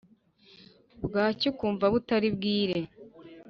bwacya ukumva butari bwire !